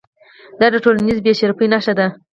دا د ټولنیز بې شرفۍ نښه ده.